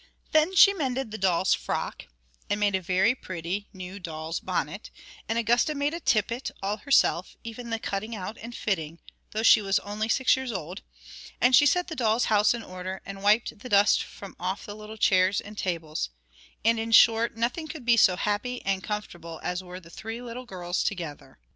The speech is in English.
Then she mended the doll's frock, and made a very pretty new doll's bonnet; and Augusta made a tippet, all herself, even the cutting out and fitting, though she was only six years old; and she set the doll's house in order, and wiped the dust from off the little chairs and tables; and, in short, nothing could be so happy and comfortable as were the three little girls together.